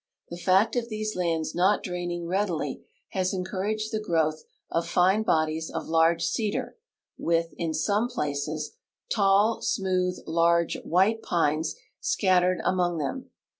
The fact of these lands not draining readily has encouraged the growth of fine bodies of large cedar, with, in some places, tall, smooth, large, white pines scattered among tliem.